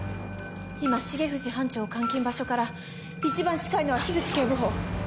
今重藤班長監禁場所から一番近いのは口警部補。